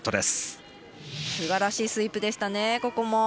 すばらしいスイープでしたね。